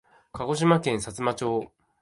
鹿児島県さつま町